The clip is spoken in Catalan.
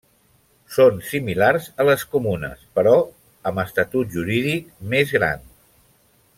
Són similars a les comunes, però amb estatut jurídic més gran.